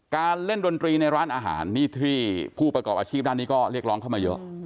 การเล่นดนตรีในร้านอาหารนี่ที่ผู้ประกอบอาชีพด้านนี้ก็เรียกร้องเข้ามาเยอะ